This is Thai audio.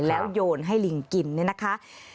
แล้วโยนให้ลิงกินเนี่ยนะคะ